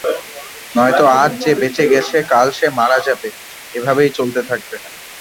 নয়তো আজ যে বেঁচে গেছে কাল সে মারা যাবে, এভাবে চলতেই থাকবে।